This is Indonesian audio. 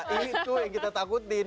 itu yang kita takutin